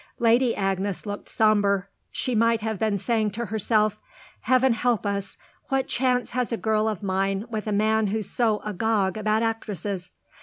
Lady Agnes looked sombre she might have been saying to herself: "Heaven help us, what chance has a girl of mine with a man who's so agog about actresses?"